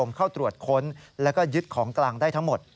จูจมเข้าตรวจค้นและยึดของกลางได้ทั้งหมด